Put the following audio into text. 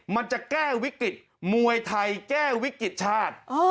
มันจะแก้วิกฤตมวยไทยแก้วิกฤติชาติ